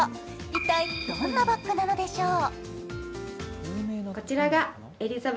一体どんなバッグなのでしょう？